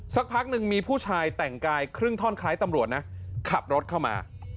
สักพักหนึ่งมีผู้ชายแต่งกายครึ่งท่อนคล้ายตำรวจนะขับรถเข้ามา